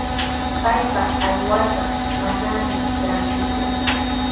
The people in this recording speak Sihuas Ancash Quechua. Kaypa aywarqa manami trankiku.